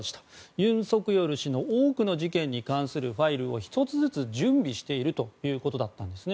ユン・ソクヨル氏の多くの事件に関するファイルを１つずつ準備しているということだったんですね。